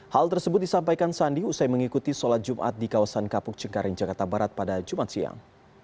hal tersebut disampaikan sandi usai mengikuti sholat jumat di kawasan kapuk cengkareng jakarta barat pada jumat siang